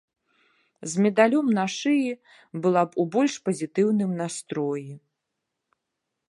З медалём на шыі была б у больш пазітыўным настроі.